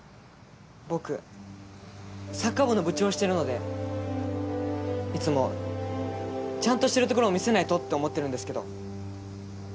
僕サッカー部の部長をしてるのでいつもちゃんとしてるところを見せないとって思ってるんですけど